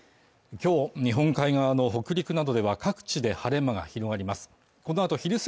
今日日本海側の北陸などでは各地で晴れ間が広がります